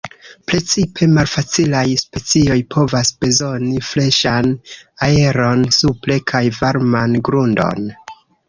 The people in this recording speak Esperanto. Precipe malfacilaj specioj povas bezoni freŝan aeron supre kaj varman grundon.